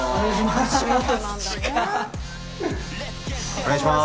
お願いしまーす。